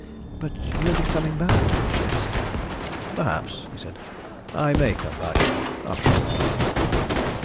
"But you'll be coming back?" she asked. "Perhaps," he said. "I may come back after a while."